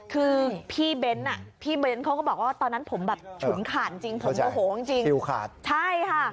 คือพี่เบ้นอ่ะพี่เบ้นเขาก็บอกว่าตอนนั้นผมแบบฉุนขาดจริงผมโมโหจริงใช่ค่ะ